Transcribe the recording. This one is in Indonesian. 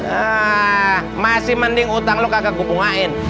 hah masih mending utang lo kakak kupungain